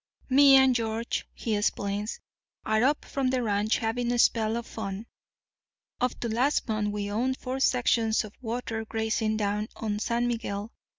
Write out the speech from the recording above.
"'Me and George,' he explains, 'are up from the ranch, having a spell of fun. Up to last month we owned four sections of watered grazing down on the San Miguel.